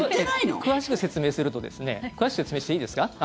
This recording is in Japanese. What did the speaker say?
詳しく説明するとですね詳しく説明していいですか？